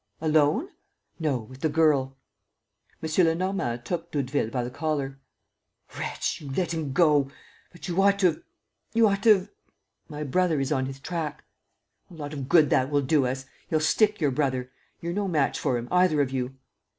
"Alone?" "No, with the girl." M. Lenormand took Doudeville by the collar: "Wretch! You let him go! But you ought to have ... you ought to have ..." "My brother is on his track." "A lot of good that will do us! He'll stick your brother. You're no match for him, either of you!"